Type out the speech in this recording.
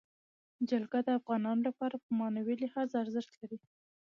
جلګه د افغانانو لپاره په معنوي لحاظ ارزښت لري.